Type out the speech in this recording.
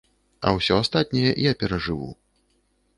А ўсё астатняе я перажыву.